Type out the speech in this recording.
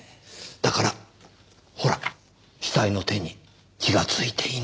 だからほら死体の手に血がついていない。